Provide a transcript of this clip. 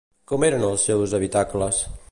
Com eren els seus habitacles?